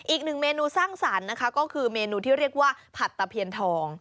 อีกหนึ่งเมนูสร้างสรรค์นะคะก็คือเมนูที่เรียกว่าผัดตะเพียนทอง